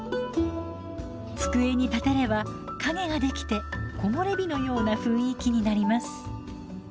机に立てれば影ができて木漏れ日のような雰囲気になります。